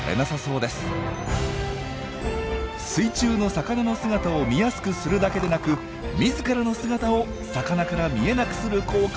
水中の魚の姿を見やすくするだけでなく自らの姿を魚から見えなくする効果まであったとは！